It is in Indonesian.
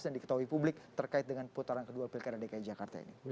dan diketahui publik terkait dengan putaran kedua pilkada dki jakarta ini